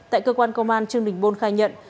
tại cơ quan công an trương đình bôn khai nhận